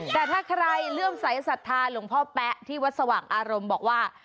แต่ถ้าใครเลื่อมใสสัทธาหลวงพ่อแป๊ะที่วัดสว่างอารมณ์บอกว่า